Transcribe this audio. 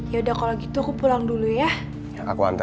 ya udah kalau gitu aku pulang dulu ya